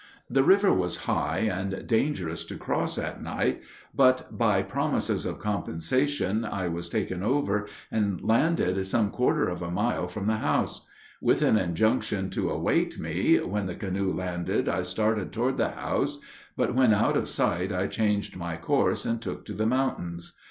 The river was high and dangerous to cross at night, but by promises of compensation I was taken over and landed some quarter of a mile from the house. With an injunction to await me, when the canoe landed I started toward the house; but when out of sight I changed my course and took to the mountains.